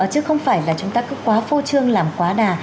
chứ không phải là chúng ta cứ quá phô trương làm quá đà